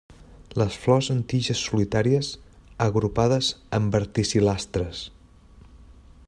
Les flors en tiges solitàries, agrupades en verticil·lastres.